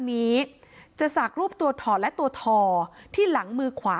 นี้จะสักรูปตัวถอดและตัวทอที่หลังมือขวา